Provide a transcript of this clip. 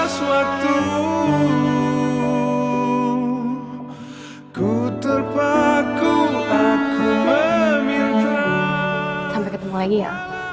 sampai ketemu lagi ya